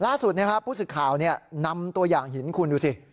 ล่าสุดผู้สื่อข่าวนำตัวอย่างหินคุณดูสิ